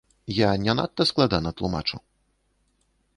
Я не надта складана тлумачу?